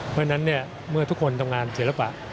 เพราะฉะนั้นเมื่อทุกคนทำงานศิลปะ